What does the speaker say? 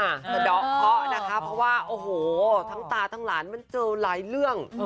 สะดอกเคาะนะคะเพราะว่าโอ้โหทั้งตาทั้งหลานมันเจอหลายเรื่อง